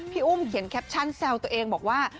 พี่อุ้มเขียนแคปชั่นแซวตัวเองบอกว่า